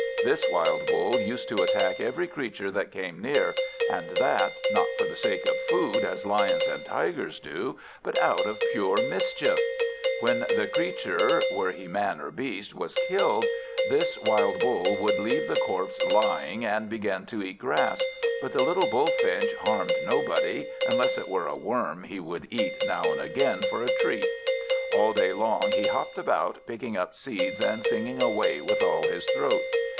This wild Bull used to attack every creature that came near; and that, not for the sake of food, as Lions and Tigers do, but out of pure mischief. When the creature (were he man or beast) was killed, this wild Bull would leave the corpse lying, and begin to eat grass. But the little Bullfinch harmed nobody, unless it were a worm he would eat now and again for a treat. All day long he hopped about, picking up seeds, and singing away with all his throat.